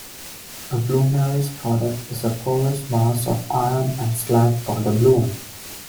A bloomery's product is a porous mass of iron and slag called a bloom.